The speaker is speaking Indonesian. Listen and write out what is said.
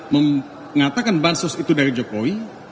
mengatakan bansos itu dari jokowi